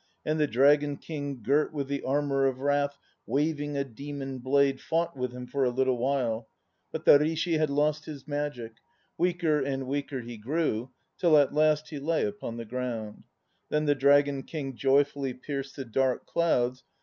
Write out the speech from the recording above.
And the Dragon King Girt with the armour of wrath, Waving a demon blade, Fought with him for a little while. But the Rishi had lost his magic. Weaker and weaker he grew, till at last he lay upon the ground. Then the Dragon King joyfully Pierced the dark clouds.